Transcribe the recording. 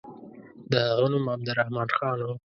د هغه نوم عبدالرحمن خان وو.